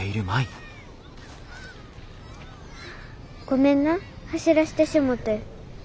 ごめんな走らしてしもて。